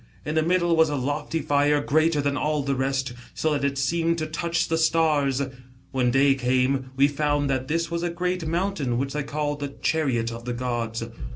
In the middle was a loicy fire, greater than all the rest, so that it seemed to touch the stars. When day came, we found that this was a great mountain which they call the Chariot of the gods.